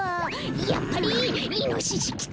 やっぱりイノシシきた！